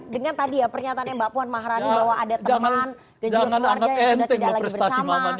dengan tadi ya pernyataannya mbak puan maharani bahwa ada teman dan juga keluarga yang sudah tidak lagi bersama